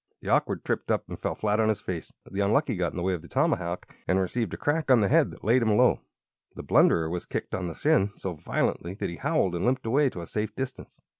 The Awkward tripped up and fell flat on his face; the Unlucky got in the way of the tomahawk and received a crack on the head that laid him low; the Blunderer was kicked on the shin so violently that he howled and limped away to a safe distance.